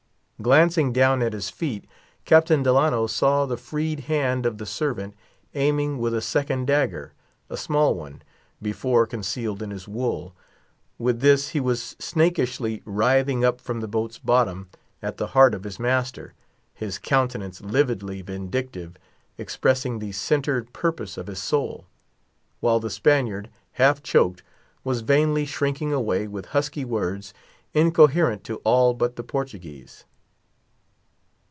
Glancing down at his feet, Captain Delano saw the freed hand of the servant aiming with a second dagger—a small one, before concealed in his wool—with this he was snakishly writhing up from the boat's bottom, at the heart of his master, his countenance lividly vindictive, expressing the centred purpose of his soul; while the Spaniard, half choked, was vainly shrinking away, with husky words, incoherent to all but the Portuguese.